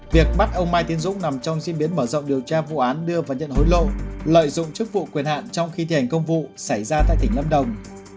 việc bắt ông mai tiến dũng nằm trong diễn biến mở rộng điều tra vụ án đưa và nhận hối lộ lợi dụng chức vụ quyền hạn trong khi thi hành công vụ xảy ra tại tỉnh lâm đồng